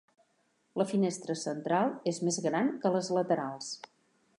La finestra central és més gran que les laterals.